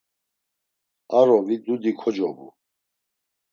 Arovi dudi kocobu.